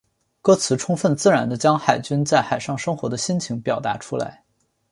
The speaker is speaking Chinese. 歌词充分自然地将海军在海上生活的心情表达出来。